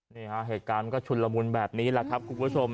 เหตุการณ์มันก็ชุนละมุนแบบนี้แหละครับคุณผู้ชม